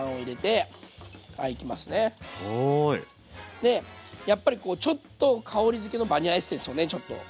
でやっぱりちょっと香りづけのバニラエッセンスをねちょっと。